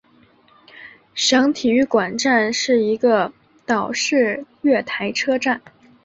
省体育馆站是一个岛式月台车站。